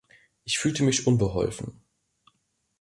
Ich fühlte mich unbeholfen.